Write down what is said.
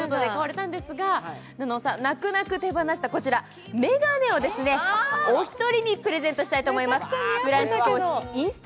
菜々緒さん、泣く泣く手放した眼鏡をお一人にプレゼントしたいと思います。